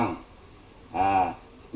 một cái công băng